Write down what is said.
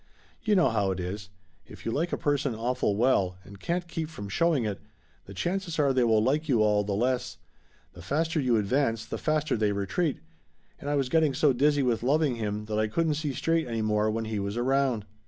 You know how it is. If you like a person awful well and can't keep from showing it, the chances are they will like you all the less; the faster you ad vance the faster they retreat, and I was getting so dizzy with loving him that I couldn't see straight any more when he was around..